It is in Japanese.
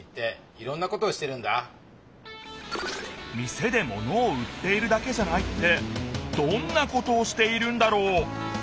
店で物を売っているだけじゃないってどんなことをしているんだろう？